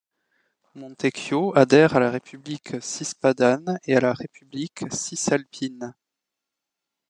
Montecchio adhère à la République cispadane et à la République cisalpine.